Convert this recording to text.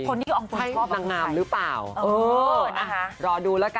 คนที่อองตวนคบอังกฤษไหม